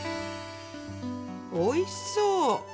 おいしそう。